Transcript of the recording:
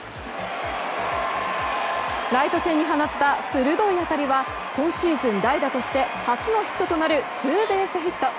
ライト線に放った鋭い当たりは今シーズン代打として初のヒットとなるツーベースヒット。